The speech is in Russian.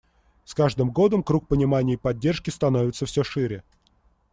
С каждым годом круг понимания и поддержки становится все шире.